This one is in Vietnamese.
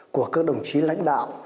của các đồng chí lãnh đạo